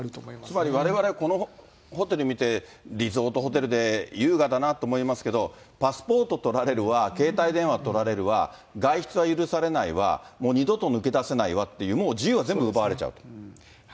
つまり、われわれ、このホテル見て、リゾートホテルで優雅だなと思いますけれども、パスポート取られるわ、携帯電話取られるわ、外出は許されないわ、もう二度と抜け出せないわっていう、もう自由を全部奪われちゃう。